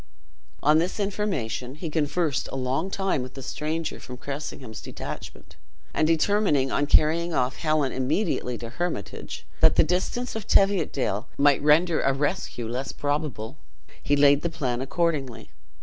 On this information he conversed a long time with the stranger from Cressingham's detachment. And determining on carrying off Helen immediately to Hermitage, that the distance of Teviotdale might render a rescue less probable, he laid the plan accordingly.